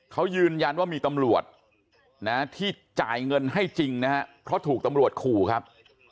เขายืนยันว่ามีตำรวจนะที่จ่ายเงินให้จริงนะฮะเพราะถูกตำรวจขู่ครับ